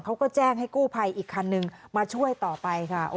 เขาก็แจ้งให้กู้ภัยอีกคันนึงมาช่วยต่อไปค่ะ